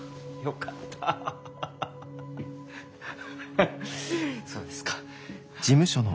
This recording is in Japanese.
ハハそうですか。